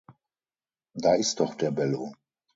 Da ist doch der Bello.